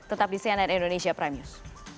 tetap di cnn indonesia prime news